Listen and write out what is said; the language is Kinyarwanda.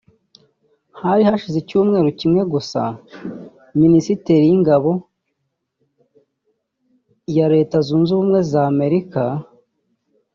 Hari hasize icyumweru kimwe gusa Minisiteri y'Ingabo ya Leta Zunze Ubumwe za Amerika